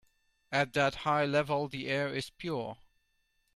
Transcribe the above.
At that high level the air is pure.